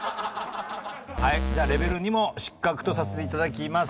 はいじゃあレベル２も失格とさせていただきます。